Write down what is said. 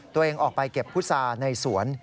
ตัวเองออกไปเก็บพุษาในสวน